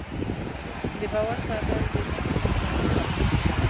د باور ساتل د نیک نیت پایله ده.